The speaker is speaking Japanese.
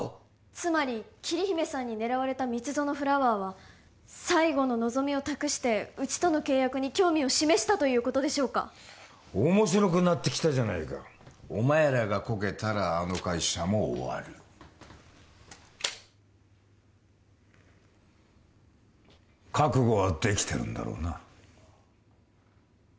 つまり桐姫さんに狙われた蜜園フラワーは最後の望みを託してうちとの契約に興味を示したということでしょうか面白くなってきたじゃないかお前らがコケたらあの会社も終わる覚悟はできてるんだろうな？